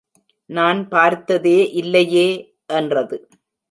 நான் பார்த்ததே இல்லையே! என்றது.